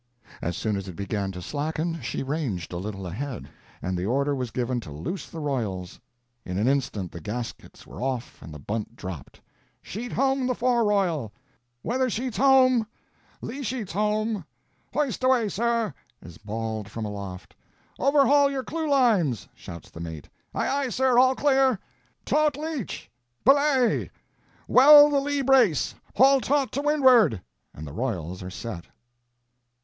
As soon as it began to slacken she ranged a little ahead, and the order was given to loose the royals. In an instant the gaskets were off and the bunt dropped. "Sheet home the fore royal!"—"Weather sheet's home!"—"Lee sheet's home!"—"Hoist away, sir!" is bawled from aloft. "Overhaul your clew lines!" shouts the mate. "Aye aye, sir, all clear!"—"Taut leech! belay! Well the lee brace; haul taut to windward!" and the royals are set.